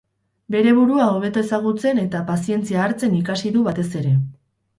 Bere burua hobeto ezagutzen eta pazientza hartzen ikasi du batez ere.